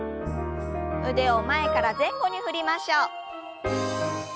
腕を前から前後に振りましょう。